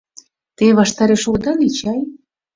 Те ваштареш огыда лий чай?